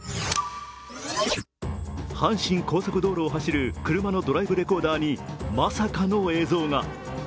阪神高速道路を走る車のドライブレコーダーにまさかの映像が。